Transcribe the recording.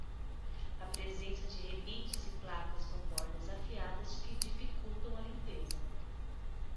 A presença de rebites e placas com bordas afiadas que dificultam a limpeza.